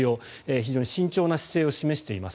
非常に慎重な姿勢を示しています。